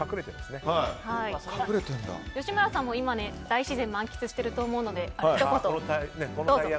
吉村さんも今、大自然を満喫していると思うのでひと言、どうぞ。